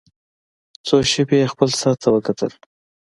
څو شېبې يې خپل ساعت ته وکتل.